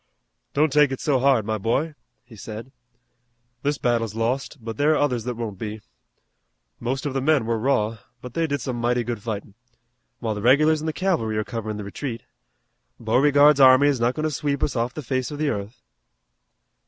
"Don't take it so hard, my boy," he said. "This battle's lost, but there are others that won't be. Most of the men were raw, but they did some mighty good fightin', while the regulars an' the cavalry are coverin' the retreat. Beauregard's army is not goin' to sweep us off the face of the earth."